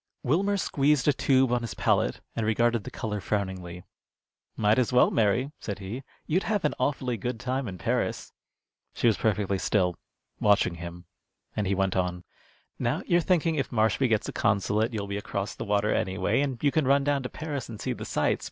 Wilmer squeezed a tube on his palette and regarded the color frowningly. "Might as well, Mary," said he. "You'd have an awfully good time in Paris." She was perfectly still, watching him, and he went on: "Now you're thinking if Marshby gets the consulate you'll be across the water anyway, and you could run down to Paris and see the sights.